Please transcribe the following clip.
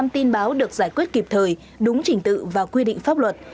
một trăm linh tin báo được giải quyết kịp thời đúng trình tự và quy định pháp luật